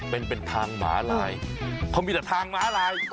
เป็นเป็นทางหมาลายเขามีแต่ทางม้าลาย